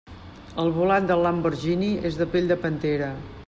El volant del Lamborghini és de pell de pantera.